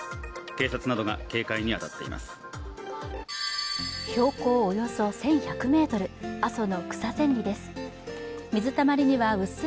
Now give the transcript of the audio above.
警察などが警戒に当たっています